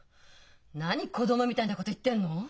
何子供みたいなこと言ってんの？